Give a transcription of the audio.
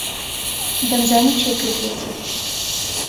دەمزانی کێ کردوویەتی.